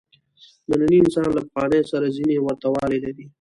نننی انسان له پخوانیو سره ځینې ورته والي لري.